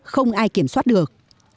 không ai kiểm soát được